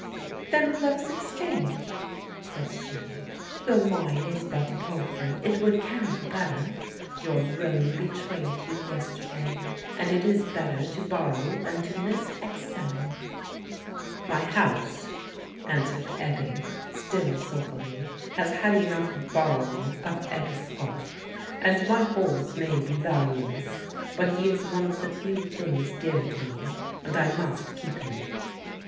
"Then let us exchange," said she. "Though mine is but a palfrey, it would carry you better. Your roan betrayed you yesterday, and it is better to borrow than to miss excelling." "My house," answered Ebbe, still sulkily, "has had enough borrowing of Egeskov; and my horse may be valueless, but he is one of the few things dear to me, and I must keep him."